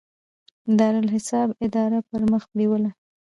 د دارالاحساب اداره پرمخ بیوله.